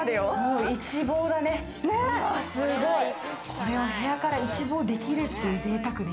これをお部屋から一望できるっていうぜいたくね。